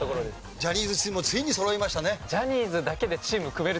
ジャニーズチームもついにそろいましたね。